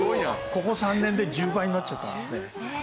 ここ３年で１０倍になっちゃったんですね。